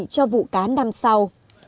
cho vụ cá năm sau